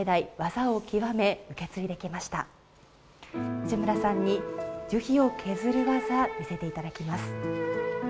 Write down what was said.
藤村さんに樹皮を削る技見せて頂きます。